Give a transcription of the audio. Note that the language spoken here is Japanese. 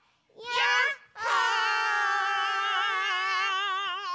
やっほ。